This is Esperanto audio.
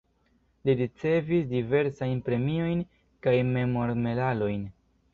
Li ricevis diversajn premiojn kaj memormedalojn.